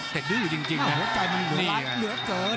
แต่ดื้อจริงนะหัวใจมันเหลือเกิน